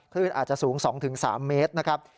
คลื่นอาจจะสูง๒๓เมตรนะครับ